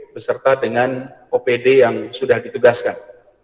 beserta dengan opd yang sudah ditugaskan